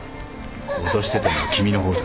脅してたのは君の方だ。